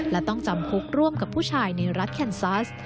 และต้องจำคุกร่วมกับผู้ชายในรัฐแคนซัส